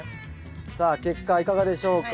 さあ結果いかがでしょうか。